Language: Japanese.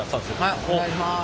はいお願いします。